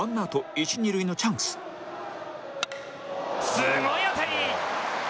すごい当たり！